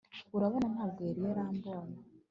urabona, ntabwo yari yarambonye